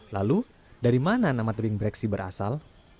lalu dari mana nama tebing breksi berasal